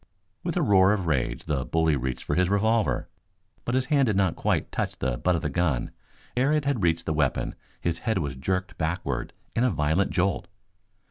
With a roar of rage the bully reached for his revolver. But his hand did not quite touch the butt of the gun. Ere it had reached the weapon his head was jerked backward in a violent jolt.